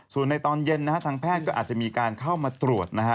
ส่วนในตอนเย็นนะฮะทางแพทย์ก็อาจจะมีการเข้ามาตรวจนะฮะ